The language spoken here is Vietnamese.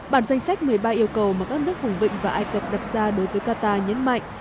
bản danh sách một mươi ba yêu cầu mà các nước vùng vịnh và ai cập đặt ra đối với qatar nhấn mạnh